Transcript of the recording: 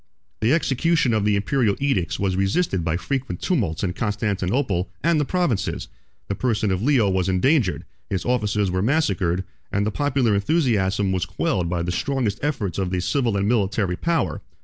21 The execution of the Imperial edicts was resisted by frequent tumults in Constantinople and the provinces: the person of Leo was endangered, his officers were massacred, and the popular enthusiasm was quelled by the strongest efforts of the civil and military power.